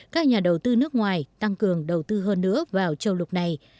các nhà đầu tư nước ngoài tăng cường đầu tư hơn nữa vào châu lục này